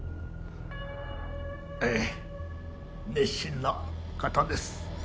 ええ熱心な方です。